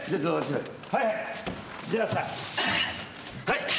はい。